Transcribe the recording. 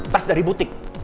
tas dari butik